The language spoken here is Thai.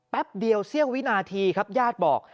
แป๊บเดิวเซียควินาทีญาติบอก